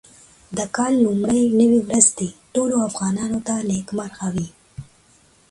د کال لومړۍ نوې ورځ دې ټولو افغانانو ته نېکمرغه وي.